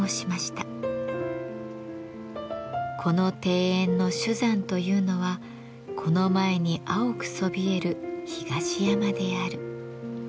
「この庭園の主山というのはこの前に青くそびえる東山である」。